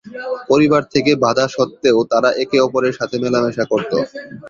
পরিবার থেকে বাধা সত্ত্বেও তারা একে অপরের সাথে মেলামেশা করতো।